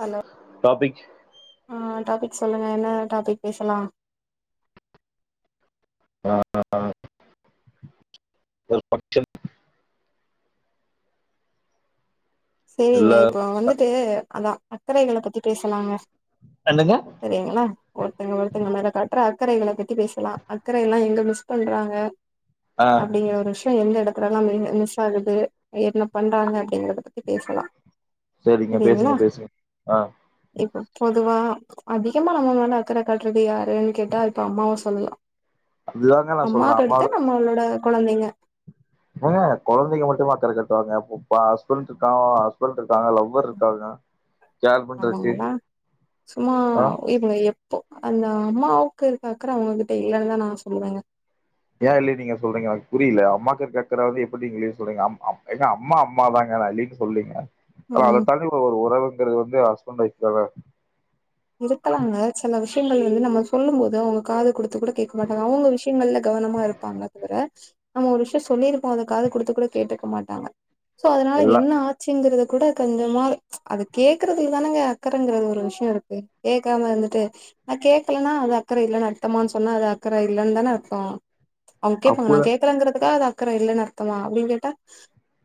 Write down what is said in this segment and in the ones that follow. hello topic ஆஹ் topic சொல்லுங்க என்ன டாபிக் பேசலா [unintelligible] இல்ல செரிங்க இப்போ ச- வந்துட்டு அதா அக்கரைகளை பத்தி பேசலாங்க என்னங்க சரிங்களா ஒருத்தங்க ஒருத்தங்க மேல காட்டுற அக் அக்கரைகளை பத்தி பேசலா அக்கறைல்லா எங்க மிஸ் பண்றாங்க ஆ அப்டிங்கிற ஒரு விஷய எந்த எடத் அதெல்லா நீங்க மிஸ் ஆகுது என்ன பண்றாங்க அப்டிங்கறது த்தி பேசலா செரிங்க பேசுங்க பேசுங்க ஆஹ் இப்ப பொதுவா அதிகமா நம்ம மேல அக்கற காட்றது யாருன்னு கேட்டா இப்ப அம்மாவ சொல்லா அதாங்க நா சொல்றே அம்மாவ கொழந்திங்க ஏங்க கெழந்தைங்க மட்டுமா அக்கரை கட்டுவாங்க [unintelligible] ஹஸ்பண்ஸ் இருக்கா ஹஸ்பண்ஸ் இருக்காங்க லவ்வர் இருக்காங்க கேர் பண்றதுக்கு ஆமாங்கள சும்மா ஆ இவள எப்போ அந்த அம்மாவுக்கு இருக்க அக்கற அவங்ககிட்ட இல்லன்னுதா நா சொல்லுவேங்க ஏ இல்லைன் நீங்க சொல்றீங்க எனக்கு புரியல அம்மாக்கு இர்க்க அக்கற வந்து எப்டி நீங்க இல்லிய சொல்றீங்க அம் அம் ஏங்க அம்மா அம்மாதாங்கா நா இல்லீன்னு சொல்லலீங்க ஆ ஆனா அத தான்டி ஒரு உறவுங்கிறது வந்து ஹஸ் ஸ்பண்ட் வொய்ஃப்க்காதா இருக்கலாங்க செல விஷயங்கள் வந்து நம்ம சொல்லும் போது அவுங்க காது குடுத் து கூட கேட்க மாட்டாங்க அவுங்க விஷயங்கள்ல கவனமா இருப்பாங்கள தவ்ர நம்ம ஒரு விஷயொ சொல்லிருப்போ அத காது குடுத்து கூட கேட்டுக்க மாட்டாங்க சோ அதனால எல்லாம் என்ன ஆச்சிங்குறத கூட கொஞ்சமா ப்ச் அது கேக்குறதுலதானங்க அக்கறங்கற ஒரு விஷயொ இருக் கு கேக்காம இருந்துட்டு நா கேக்கலன்னா அது அக்கற இல்லனு அர்த்தம்மானு சொன்னா அது அக் க்கற இல்லனு தான அர்த்தோ அவுங்க கேப்பாங்க நா அப்போதான் கேக்கலங்றதுக்காக அக்கற இல்லன்னு அர்த்தமா அப்டின் கேட்டா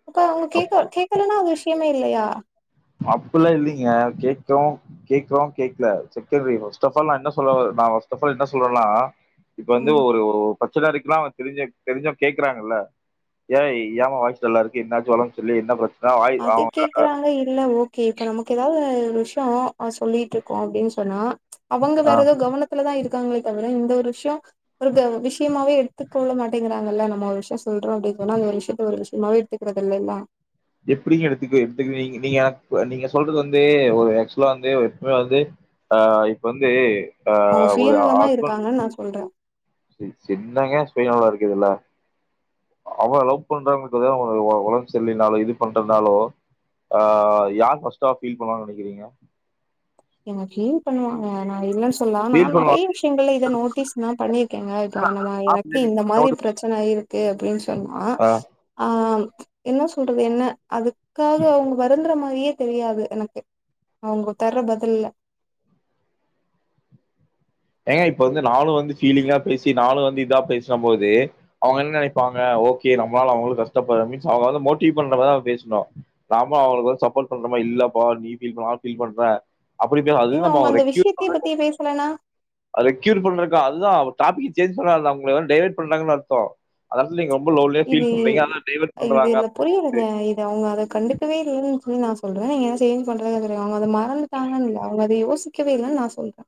அப்ப அவுங்க அப்- கேக்க கேக்கலன்னா ஒரு விஷயமே இல்லயா அப்டில்லா இல்லலைங்க கேக்குறோ கேக்றோ கேக்கல செகண்ட்ரி ஃபஸ்ட் அப் ஆல் நா என்ன சொல்ல வறே நா ஃபஸ்ட் அப் ஆல் என்ன சொல்றனா இப்ப வந்து ம் ஒரு ஒரு ஒ பிரச்சன இருக்குனா அவ தெரிஞ்சே தெரிஞ்சும் கேக்குறாங்கல்ல ஏய் ஏமா வாய்ஸ் டல்லா இருக்கு என்னாச்சு ஒடம்பு சரியில்ல என்ன பிரச் அது கேக்குறாங்க இல்ல ஓக் கே இப்ப நமக்கு எதாவது ஒரு விஷ்யோ ஆ சொல்லிட்டுருக்கோ அப்டின்னு சொன்னா அவங்க ஆ வேற எதோ கவனத்துல தா இருக்காங்களே தவி ர இந்த ஒரு விஷ்யோ [unintelligible] விஷ்யமாவே எடுத்துக்கொள்ள மாட்டேங்கிறாங்கல்ல நம்ம ஒரு விஷ்யோ சொ சொல்றோ அப்டி சொன்னா அந்த ஒரு விஷ்யத்த ஒரு விஷ்யமாவே எடுத் த்துக்குறது இல்லல்லா எப்டிங்க எடுத்துக்க எடுத்துக்க நீங் நீங்க நீங்க சொல்றது வந்து ஒரு ஆக்சுவலா வந்து இப்ப வந்து ஆஹ் இப்ப வந்து ஆ அவுங்க சுயநலமா இருக்காங்கன் நா சொல்றே செரி செர் என்னங்க சுயநலோருக்கு இதுல்ல அவள லவ் பண்றவங்ளுக்கு பாத்தீங்கனா ஒ ஒ ஒடம்ப் சர்ல்லனாலோ இது பண்றதுனாலோ ஆஹ் யார் ஃபர்ஸ்ட்டா ஃபீல் பண்ணுவாங்கனு நெனைக்கிறீங்க ஏங்க ஃபீல் பண்ணுவாங்க நா இல்லனு சொ சொல்லா நா ஃபீல் பண்ணுவா நெறைய விஷயங்கள்ல இத நோட்டீஸ் நா பண்ணிருக்கேங்க இப்ப நம்ம எனக்கு இந்த மாரி பிரச்சன இருக்கு அப்டின்னு சொன்னா ஆ ஆஹ் என்ன சொல்றது என்ன அதுக்காக அவுங்க வருந்துற மாரியே தெரியாது எனக்கு அவுங்க தர்ற பதி தில்ல ஏங்க இப்ப வந்து நானு வந்து ஃபீலிங்கா பேசி நானு வந்து இதா பேசம் போது அவுங்க என்ன நெனைப்பாங்க ஓகே நம்மளால அவுங்களு கஷ்டப்பட்ற மீன்ஸ் அவுங்க வந்து மோட்டிவ் பண்ற மாரி அவுங்க பேசணு நாம அவுங்களுக்கு வந்து சப்போர்ட் பண்ற மாரி இல்லப்பா நீ ஃபீல் பண்ண நானு ஃபீல் பண்றே ஏங்க அவுங்க அந்த விஷ்யேத்த பத்தி பேசலனா அத க்யூர் பண்றக்கு அதுதா அவ டாபிக்கு சேஞ் பன்னாதஅவுங்க டைவட் பண்றாங்கன் அர்த்தொ அதா நீங்க ரொம்ப லோன்லியா இது ஃபீல் பண்றீங்க ஆனா டைவர்ட் பண்றாங்க இது புரிலங்க இது அவுங்க அத கண்டிப்ப [unintelligible] செரி சொல்லி நா சொல்றே ஏ செரி சொல்றே [unintelligible] அவுங்க அத மறந்துட்டாங்கனுல்ல அவுங்க அத யோசி க்கவே இல்லன்னு நா சொல்றே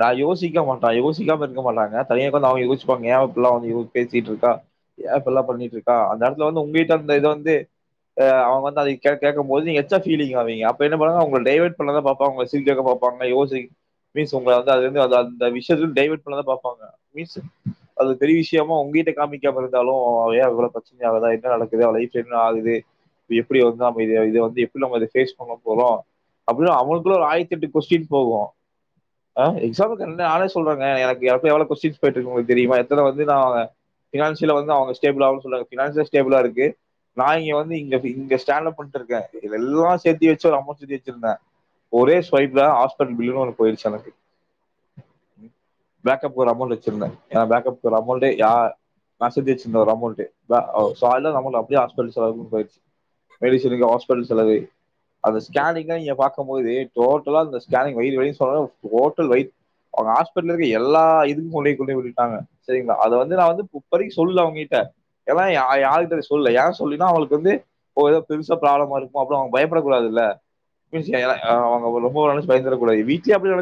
நான் யோசிக்க மாட்டாங் யோசிக்காம இருக்க மாட்டாங்க இப்ப மேற்க் கொண்டு அவுங்க யோசிப்பாங்க ஏன் இப்டில்லா வந்து பேசிட்டு இருக்கா ஏன் இப்டில்லா பண்ணிட்டு இருக்கா அந்த இடத்துல வந்து உங்கிட்ட அந்த இத வந்து ஆஹ் அவுங்க அத கேக் கேக்கு போது நீங்க எச்சா ஃபீலிங் ஆவிங்க அப்ப என்ன பண்ணுவாங்க ஒங்கள டைவர்ட் பண்ண தா பாப்பாங்க ஒங்கள சிரிக்க வைக்க பாப்பாங்க யோசி யோ ஒங்க அந்த வேணும்னே அந்த அந்த விஷ்யத்த டைவட் பண்ண தா பாப்பாங்க மீன்ஸ் அது பெரிய விஷ்யமா உங்ககிட்ட காமிக்காம இருந்தாலு ஏ இவ்ளோ பிரச்சனயாகுது என்ன நடக்குது லைஃப் என்ன ஆகுது எப்டி வ வந்து எப்டி நம்ம ஃபேஸ் பண்ண போறோ அப்டின்னு அவுங்களுக்குள்ள ஒரு ஆயிரத்தெட்டு கொஸ்டின் போகு ஆ எக்ஸாம்பிள்க்கு நானே சொல்றேங்க எனக்கு எவ் எவ்ளோ கொஸ்டின்ஸ் போயிட்டு இருக்கு உங்ளுக்கு தெரியுமா எத்தன வந்து நான் ஃபினான்சியலா வந்து அவுங்க ஸ்டேபிள் ஆகனும்ன்னு சொல்றாங்க ஃபினான்சியல் ஸ்டேபிளா இருக்கு நா இங்க வந்து இங்க இங்க ஸ்டாண்ட்டப் பண்ட்டு இருக்கே இதெல்லா சேர்த்து வச்சு ஒரு அமௌண்ட் சேத்து வச்சிருந்தே ஒரே ஸ்டைப்ல ஹாஸ்பிட்டல் பில்லுனு ஒன்னு போயிர்ச்சு எனக்கு பேக்கப் ஒரு அமௌண்ட் வச்சிருந்தே என் பேக்கப்க்கு ஒரு அமௌண்ட் யா நா சேத்து வச்சிருந்த ஒரு அமௌண்ட் தா ஆஹ் சாலிடா நமக்கு அப்டியே ஹாஸ்பிட்டல் செலவு குடுத்தாச்சு மெடிசனுக்கு ஹாஸ்பிட்டல் செலவு அந்த ஸ்கேனுக்கெல்லா நீங்க பாக்கு போது டோட்டலா அந்த ஸ்கேன் வயிறு வலி சொல்ல ஹோட்டல் வைஸ் அவுங்க ஹாஸ்பிட்டல் இருக்க எல்லா இதுக்கும் [unintelligible] செரிங்களா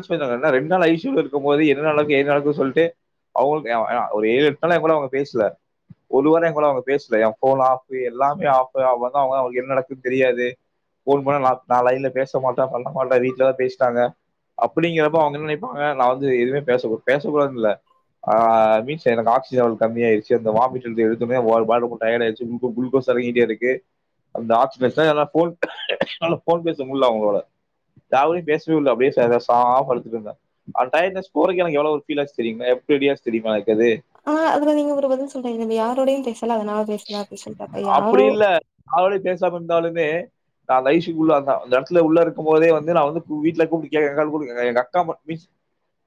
[unintelligible] ரெண்டு நாள் ஐசியூ ல இருக்கும் போது என்ன நடக்கு ஏது நடக்குனு சொல்ட்டு அவுங்களுக்கு ஏ ஆஹ் ஒரு ஏழு [unintelligible] அவுங்க பேசல ஒரு வாரோ என்கூட அவுங்கபேசல என் ஃபோனு ஆஃப் அப்டிங்கிறப்ப அவுங்க என்ன நெனைப்பாங்க நான் வந்து எதுமே பேச பேச கூடாதுனு இல்ல ஆஹ் மீன்ஸ் எனக்கு ஆக்சிஜன் லெவல் கம்மியாயிடுச்சு இந்த வாமிட் வந்து எடுத்தனே ரொம்போ டயர்டாயிடுச்சு குளுகோஸ் இறங்கிட்டே இருக்கு அந்த ஆக்சிஜன் என்னால போன் போன் பேச முடில அவுங்களோட யாரோடயு பேசவே இல்ல அப்டியே பாடாபடுத்திட்டாங்க அந்த டயர்ட்நெஸ் போறதுக்கு எனக்கு எவ்ளோ ஃபீல் ஆச்சு தெரிங்களா ஆ அதுல நீங்க ஒரு பதில் சொல்றீங்க யாரோடையு பேசல அதனால பேசல அப்டி சொல்ட்டு அப்ப யாரோ அப்டி இல்ல அவளே பேசாம இருந்தாலு நா லைஃப்க்கு உள்ள அந்த இடத்துல உள்ள இருக்கு போதே வந்து நா வந்து வீட்டுல கூப்ட்டு கேக்குறே எங்க அக்கா மீன்ஸ்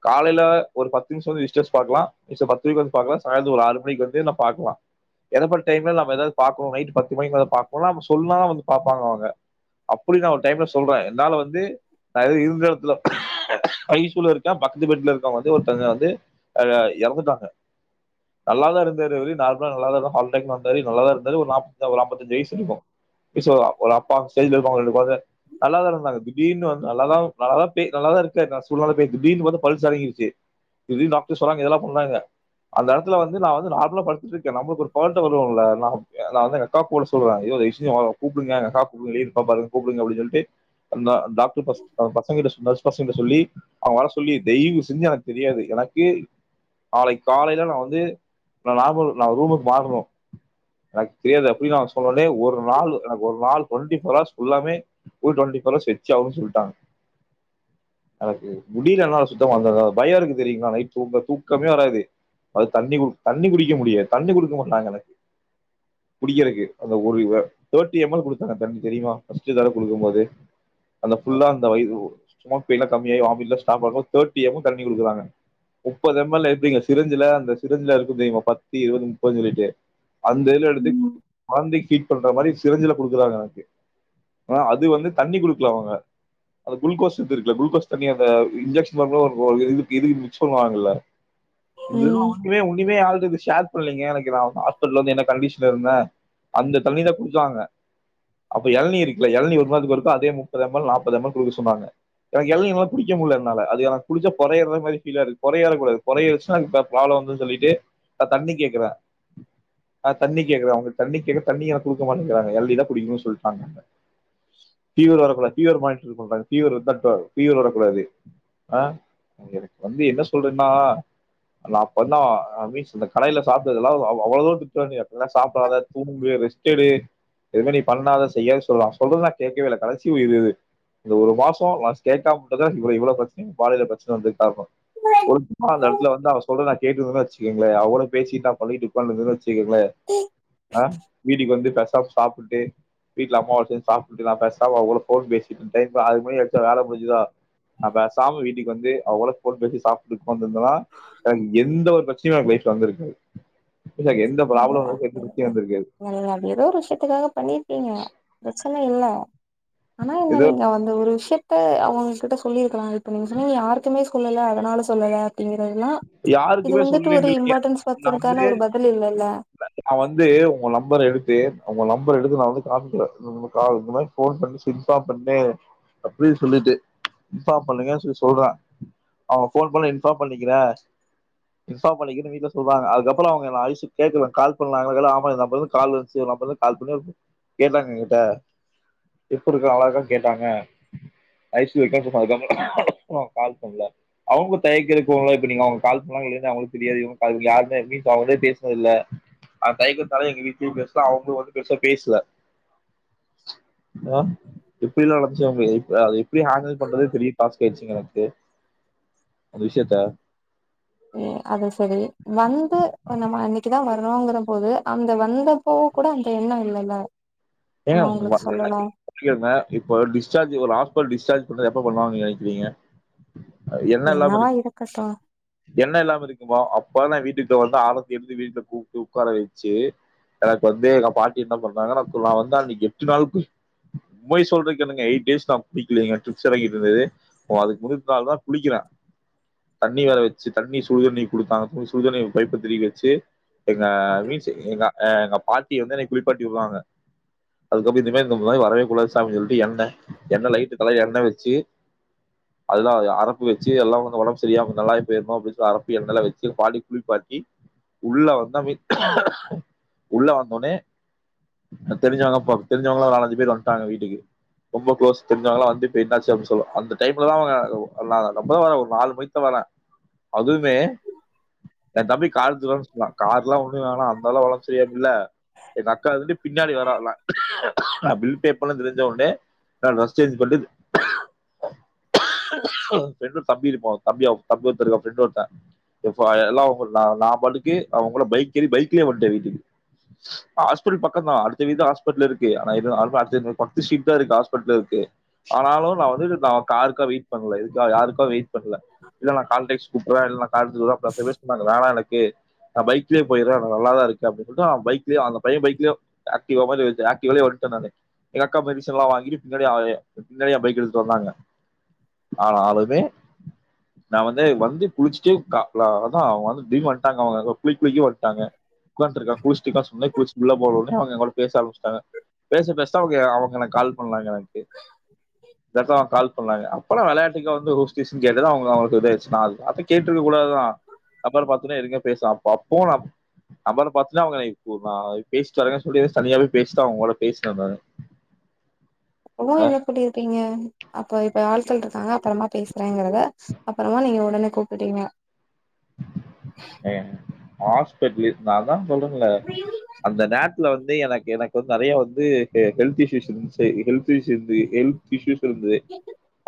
காலைல ஒரு பத்து நிமிஷோ [unintelligible] பாக்கலா பத்து வந்து பாக்கலா சாயந்தரோ ஒரு ஆறு மணிக்கு வந்து என்ன பாக்கலா [unintelligible] டைம்ல நாம ஏதாவது பாக்கணு நைட் பத்து மணி மேல பாக்கணு நா சொன்னாலே வந்து பாப்பாங்க அவுங்க அப்டி தா டைம் சொல்றே என்னால வந்து நா இருந்த இடத்துல ஐசூல இருக்க பக்கத்து பெட்ல இருக்க வந்து ஒருத்தங்க வந்து இறந்துட்டாங்க நல்லா தா இருந்தரு அவரு நார்மலா நல்லா தா [unintelligible] வந்தாறு நல்லா தா இருந்தாரு ஒரு நாப் ஒரு அம்பத்தாஞ்ஜூ வயசு இருக்கு [unintelligible] ஒரு அப்பா [unintelligible] ரெண்டு கொழந்த நல்லா தா இருந்தாங்க திடீர்னு வ நல்லா தா நல்லா தா பே நல்லா தா இருக்க நான் சொன்னாலுமே திடீர்னு வந்து பால்ஸ் இறங்கிடுச்சு திடீர்னு டாக்டர்ஸ் வராங்க இதெல்லா பண்ணாங்க அந்த இடத்துலந்து நான் வந்து நார்மலா பட்டு இருக்கே நம்மளுக்கு ஒரு [unintelligible] வருவாங்கல எல்லா நா ஆ நா வந்து [unintelligible] போட சொல்வே தய்வு செஞ்சு வாங்க கூப்டுங்க எங்க அக்காக்கு உயிர் இருக்கா பாருங்க கூப்டுங்க அப்டின்னு சொல்ட்டு அந்த டாக்டர் ஃபர்ஸ்ட் பசங்ட்ட பசங்கட்ட சொல்லி அவங்க வர சொல்லி தெய்வு செஞ்சு எனக்கு தெரியாது எனக்கு நாளைக்கு காலைல நா வந்து நா நார்மல் நா ரூமுக்கு மாறணும் எனக்கு தெரியாது அப்டி நான் சொன்னோனே ஒரு நாள் ஒரு நாள் டொவண்டி போர் ஹவர்ஸ் புல்லாமே ஒரு டொண்டி [unintelligible] சொல்ட்டாங்க எனக்கு முடில என்னால சுத்தமா ஆங்க பயம் இருக்கு தெரியுங்களா நைட்டு தூங்க தூக்கமே வராது அது தண்ணி தண்ணி குடிக்க முடியாது தண்ணி குடு [unintelligible] எனக்கு குடிகரக்கு அந்த ஒரு தர்ட்டி எம் எல் குடுத்தாங்க தண்ணி தெரிமா ஃபர்ஸ்ட் தடவ குடுக்கு போதே அந்த ஃபுல்லா அந்த வ [unintelligible] தர்ட்டி எம் எல் தண்ணி குடுக்குறாங்க முப்பது எம் எல் எப்டிங்க சிரஞ்சுல அந்த சிரஞ்சுல இருக்கு தெரிமா பத்து இருவது போ சொல்லிட்டு அந்த இதுல எடுத்து ம் வாந்தி பீட் பண்ற மாரி சிரஞ்சுல குடுக்குறாங்க எனக்கு ஆனா அது வந்து தண்ணி குடுக்கல அவங்க அது குளுக்கோஸ் இது இருக்கல குளுோஸ் தண்ணி அந்த இன்ஜெக்ஷன் மாரி ஒரு ஹோல் இது பண்ணுவாங்கல்ல இதெல்லா ம் ஒண்ணுமே ஒன்னிமே ஆல து ஷேர் பண்ல [unintelligible] ஹாஸ்பிடல்ல வந்து எந்த கண்டிஷன்ல இருந்தே அந்த தண்ணி தா குடுத்தாங்க அப்ப எளநீ இருக்குல்ல எளநீ [unintelligible] இருக்கோ அதே முப்பது எம் எல் நாப்பது எம்எல் குடுக்க சொன்னாங்க எனக்கு எளநீலா குடிக்க முடியல என்னால அது எனக்கு குடிச்சா பொறயேற மாரி பீல் ஆகுது பொற ஏறக்கூடாது பொற ஏறிச்சுன்னா [unintelligible] வந்து சொல்லிட்டு அ தண்ணி கேக் கற ஆ தண்ணி கேக்கறே அவங்க தண்ணி தண்ணி எனக்கு குடுக்க மாட்ட கறாங்க எளநீ தா குடிக்கணு சொல்ட்டாங்க ஃபீவர் வரக்கூடாது ஃபீவர் மானிட்டர் இருக்குல்ல ஃபீவர் இருந்தா ஃபீவர் வரக்கூடாது ஆ தம்பி என்ன சொல்றேன்னா நா பண்ண ஆ இந்த [unintelligible] சாப்டது எல்லா அவ் அவ்ளோ தூரோ திட்றாங்க அப்டில்லா சாப்டாத தூங்கு ரெஸ்ட் எடு இந்த மாரி நீ பண்ணாத செய்யாத சொல்லா சொல்றதெல்லா கேக்கவே இல்ல கடைசி உயிர் இது இந்த ஒரு மாசம் நா கேக்காம தா இவ்ள இவ்ள பிரச்சன [unintelligible] பிரச்சன வந்ததுக்கு காரணம் இல்ல, பொறுப்பா நடந் இதுல வந்து அவ சொல்றத நா கேட்டுருந்தனு வெச்சுக்கங்களே அவனுக் பேசிட்டு நா பழகிட்டு உட்காந்திருந்தனு வெச் சுகங்களே ஆஹ வீட்டுக்கு வந்து பஸ் உக்காந்து சாப்டுட்டு வீட்ல அம்மாவோட சேந்து சாப்டுட்டு நா பேசாம அவங்களோட போன் பேசிட்டு டைம் ம அதுக்கு மேல வேல முடிஞ்சுதா நா பேசாம வீட்டுக்கு வந்து அவங்களோட போன் பேசி சாப்ட்டு உக்காந்துந்தேனா எனக் எந்த ஒரு பிரச்ச ன ஒரு லைப் வந்துருக்கு உம் நீங்க அப்ப [unintelligible] அது எதோ ஒரு விஷயத்துக்காக பண்ணீர்ப்பீங்க பிரச்சன இல்ல ஆனா என்ன ஏதோ நீங்க வந்து ஒரு விஷ் ட்டு அவுங்க கிட்ட சொல்லிருக்கலா இப்ப நீங்க சொன்னிங்க யார்க்குமே சொல்லல அதனால சொல்லல அப்டின்ங் னா ப்ச் இது யாருக்குமே வந்துட்டு ஒரு இம்பார்ட்டன்ஸ் பத்திரகான ஒரு பதில் இல்லல்ல ந நா வந்து உங்க நம்பர் எடுத்து அவுங்க நம்பர் எடுத்து நா வந்து காமிக்கற இந்த மாரி போன் பண்ணி ஸ்விட்ச் ஆஃப் பண்ட்டு அப்டியே சொல்லிட்டு இன்ஃபார்ம் பண்ணுலங்க சொல்லி சொல்ற அவுங்க போன் பண்ணி இன்ஃபார்ம் பண்ணிக்கிற இன்பார்ம் பண்ணிக்கிறனு வீட்ல சொல்றாங்க அதுக்கப்புறோ அவுங்க என்ன அழைச்சு கேக்கல கால் பண்ணலா ஆமா இந்த நம்பர்லந்து கால் வந்துச்சு இந்த நம்பர்லந்து கால் பண்ணி கேட்டாங்க என்கிட்ட எப்டி இருக்க அழகா கேட்டாங்க ஐசு விசேஷமா இருக்காங்க உனக்கு கால் பண்ணல அவுங்க தயக்கிற இருக்கு இல்ல இப்ப நீங்க கால் பண்ணலாங்கலா இல்லையா னு அவுங்களுக்கு தெரியாது இவங்க பாக்கல யாருமே இன்னு அவங்கிட்ட பேசினது இல்ல அந்த தயக்கத்தால எங்க வீட்லயு பேசல அவங்களு வந்து பெருசா பேசல எ எப்டில்லா நடந்துச்சு அத எப்படி ஹாண்டில் பண்றதுனு பெரிய டாஸ்க் ஆயிடுச்சுங்க எனக்கு அந்த விஷயத்த ஏ அது சரி வந்து இப்ப நம்ம அன்னிக்குதா வரணோங்கற போது அந்த வந்தப்போ கூட அந்த எண்ணோ இல்லல்ல நம்ம ஏங்க அவங்களுக்கு சொல்லணு [inaudible] இப்ப ஒரு டிஸ்ஜார்ஜ் ஒரு ஹாஸ்பிட்டல் டிஸ்ஜார்ஜ் உடனே எப்ப பண்ணுவாங்கனு நீங்க நெனைக்ககிறீங்க அ எண்ணோ இல்லாம என்னவா இருக்கு இருக்கட்டு எண்ணோ இல்லாம இருக்குமா அப் ஒடனே வீட்டுக்கு வந்தா ஆலத்தி எடுத்து வீட்ல கூப்ட்டு உக்கார வெச்சு எனக்கு வந்து எங்க பாட்டி என்ன பண்ணாங்கன்னா சோ நா வந்து அன்னைக்கு எட்டு நாலு [inaudible] உண்மய சொல்றதுக்கு என்னங்க எயிட் டேஸ் நா குளிக்கலீங்க ட்ரிப்ஸ் எறங்கிட்டு இருந்துது வ அதுக்கு முந்து நாள்தா குளிக்கிற தண்ணி வேற வெச்சு தண்ணி சுடுதண்ணி குடுத்தாங்க சுடுதண்ணி பைப்ப திரிகி வெச்சு எங்க மீன்ஸ் எங்க எ எங்க பாட்டி வந்து என்னய குளிப்பாட்டி விடுறாங்க அதுக்கப்புறோ இந்த மாரி இந்த நோய் வரவே கூடாது சாமினு சொல்ட்டு எண்ண எண்ணெ லைட்டு தலய எண்ண வெச்சு அதுல அரப்பு வெச்சு எல்லா வந்து ஒடம்பு சரியாம இந்தல்ல இப்ப என்னமோ அப்டின் சொ அரப்பு எண்ணெல்லா வெச்சு பாட்டி குளிப்பாட்டி உள்ள வந்தா உள்ள வந்த ஒன்னே தெரிஞ்சவங்க ப தெரிஞ்சவங்கல்லா ஒரு நாலஞ்சு பேர் வந்துட்டாங்க வீட்டுக்கு ரொம்ப குளோஸ் தெரிஞ்சவங்கல்லா வந்துட்டு என்னாச்சு அப்டினு சொல்லோ அந்த டைம்லதா அவுங்க வந்தாங்க அப்பதா வர்ர ஒரு நாலு மணிக்கு தா வர்ர அதுவுமே என் தம்பி காத்து வேணா சொன்னா காரெல்லா ஒன்னு வேணா அந்த அளவு ஒடம்பு சரியாயிரும்ல்ல எங்க அக்கா இருந்துட்டு பின்னாடி வரால்ல பில் பே பண்ணனு தெரிஞ்ச ஒன்னே நா ட்ரெஸ் சேஞ்ச் பண்டு ஃப்ரெண்டு ஒரு தம்பி இருப்பான் தம்பிய தம்பி ஒருத்தன் இருக்கான் ஃப்ரெண்டு ஒருத்தன் இப்ப எல்லா [unintelligible] நா பாட்டுக்கு அவன் கூட பைக் ஏறி பைக்லயே வந்துட்ட வீட்டுக்கு ஹாஸ்பிட்டல் பக் கந்தா அடுத்த வீதிதா ஹாஸ்பிட்டலு இருக்கு ஆனா எதும் யாருக்கும் அர்ஜென்டு பத்து சீட்தா இருக்கு ஹாஸ்பிட்லு இருக்கு ஆனாலு நா வந்து இது நா காருக்கா வெயிட் பண்ணல இதுக்கா யாருக்கோ வெயிட் பண்ணல இல்ல நா கால்டேக்ஸ் கூப்பிடுற இல்ல நா [unintelligible] வேணா எனக்கு கே நா பைக்லயே போயிடற நா நல்லாதா இருக்க அப்டின் சொல்ட்டு நா பைக்லயே அந்த பைய்யன் பைக்லயே ஆக்டிவா மாரி இருஞ்சு ஆக்டிவாலயே வந்துட்ட நானு எங்க அக்கா போய் மெடிசனெல்லா வாங்கிட்டு பின்னாடி அ பின்னாடி என் பைக் எடுத்துட்டு வந்தாங்க ஆனாலுமே நா வந்து வந்து குளிச்சிட்டு கா ல அதா அவங் வந்து தீடீனு வந்ட்டாங்க அவுங்க அங்க குளிக் குளிக்கவே வந்ட்டாங்க உக்காந்ட்டு இருக்காங்க குளிச்சிட்டு இருக்கான் சொல்லி குளிச்சிட்டு உள்ள போறோ உடனே அவுங்க எங்கூட பேச ஆரம்பிச்சிட்டாங்க பேச பேசதா அவுங்க அவுங்க எனக்கு கால் பண்ணாங்க எனக்கு இந்த அப்ப கால் பண்ணாங்க அப்பெல்லா வெளாண்டுக்கு வந்து ஒரு ஸ்டிஸ் னு கேட்டது அவுங்க அவங்களுக்கு இதாயிருச்சு நா அது வார்த்த கேட்ருக்கக் கூடாதுதா அப்பன்னு பாத்துனே எதுவுமே பேசா அப் அப்பவு நா நம்பர் பாத்துதா அவுங்க இப்போ நா பேசி தனியா சொல்லி ஏதாச்சு தனியாவே பேசிதா அவுங்க கூட பேசின நானு [unintelligible] என்ன பண்ணிருப்பீங்க அப்ப இப்ப ஆள் சொல்றதா அப்றமா பேசுறேங்கறத அப்பறமா நீங்க ஒடனே கூப்புட்டீங்க நே ஹாஸ்பிட்லு நான்தா சொல்றன்ல்ல அந்த நேரத்துல வந் ந்து எனக்கு எனக்கு வந்து நெறைய வந்து இது ஹெல்த் இஸ்யூஸ் இருந்துச்சி ஹெல்த் இஸ்யூ [unintelligible] ஹெல்த் இஸ்யூஸ் இருந்துது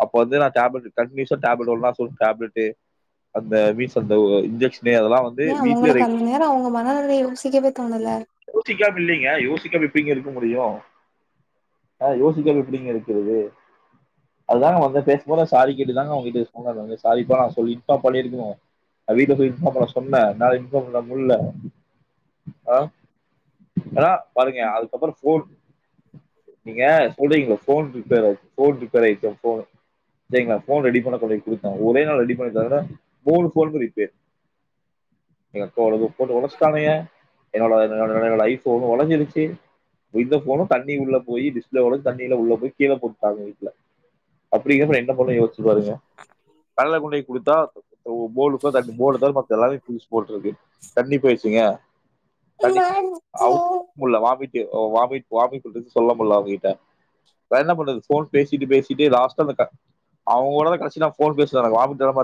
அப்ப வந்து நா டேப்லெட்டு கண்டினியூஸா டேப்லெட்டு ஒரு [unintelligible] டேப்லட்டு அந்த வீஸ் அந்த ஓ இன்ஜெக்ஸ் ஏ உங்களுக்கு அந்த நேரோ அவங்க மனநிலைய யோசிக்கவே தோணல எப்டிங்க இருக்க முடியு அ யோசிக்க எப்டிங்க இருக்கறது அதுதாங்க வந்து பேசம்போ சாரி கேட்டுதாங்க அவங்ககிட்ட இத சொன்னது வந்து சாரிப்பா நா சொல்லிட் தா பண்ணிருக்கணு அவ வீட்டு போய் இன்ஃபார்ம் பண்ண சொன்னே நா இன்பார் பண்ண முட்ல ஆ ஆ பாருங்க அதுக்கப்புறோ ஃபோன் நீங்க சொல்றீங்களே ஃபோன் ரிப்பேர் ஆச்சு ஃபோன் ரிப்பேர் ஆயிர்ச்சா ஃபோனு சரிங்கலா ரெடி பண்ண சொல்லி குடுத்தே ஒரே நாள்ல ரெடி பண்ண தவற மூணு ஃபோனுமே ரிப் [unintelligible] எங்க அக்காவோடது போட்டு ஒடச்சுட்டானுக என்னோட என்னோடதுல ஐ ஃபோனு ஒடஞ்சிடுச்சு எங்க ஃபோனு தண்ணி உள்ள போயி டிஸ்ப்ளே ஒடஞ்சி தண்ணிலா உள்ள போயி கீழ போட்டாங்க வீட்ல அப்டி இருந்தா நா என்ன பண்ண யோசிக் பாருங்க கடைல கொண்டு போய் குடுத்தா ஓ போலு [unintelligible] போடு தவர மத்த எல்லாமே பிளிச் போட்ருக்கு தண்ணி போயிருச்சுங்க தண்ணி அவ் தோணல உள்ள வாமி ஏ வாமிட் வாமிட்டு [inaudible] சொல்லாமுல்ல அவங்க கிட்ட நா என்ன பண்றது ஃபோன் பேசிட்டு பேசிட்டு லாஸ்ட்டா அந்த க அவங்க கூட தா கடைசி நா ஃபோன் பேசின நா எனக்கு வாமிட் வர மாரி